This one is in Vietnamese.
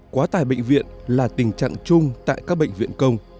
quá tải bệnh viện là tình trạng chung tại các bệnh viện công